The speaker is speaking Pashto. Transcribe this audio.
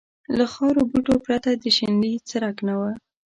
له خارو بوټو پرته د شنیلي څرک نه و.